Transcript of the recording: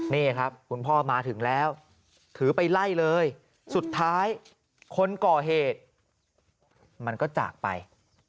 นี่ครับคุณพ่อมาถึงแล้วถือไปไล่เลยสุดท้ายคนก่อเหตุมันก็จากไป